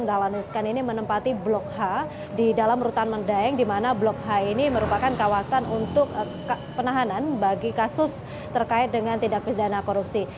dahlan iskan ini menempati blok h di dalam rutan medaeng di mana blok h ini merupakan kawasan untuk penahanan bagi kasus terkait dengan tindak pidana korupsi